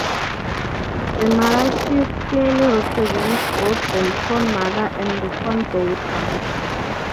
The mother-sheaf clearly represents both the Corn Mother and the Corn Daughter.